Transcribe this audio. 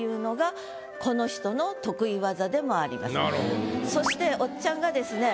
そういうそしておっちゃんがですね。